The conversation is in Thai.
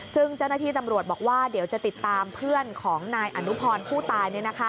ซึ่งเจ้าหน้าที่ตำรวจบอกว่าเดี๋ยวจะติดตามเพื่อนของนายอนุพรผู้ตาย